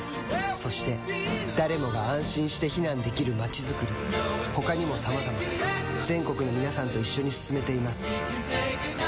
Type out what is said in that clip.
そして誰もが安心して避難できる街づくり他にもさまざま全国の皆さんと一緒に進めています